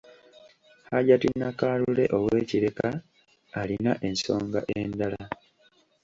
Hajat Nakalule ow’e Kireka alina ensonga endala.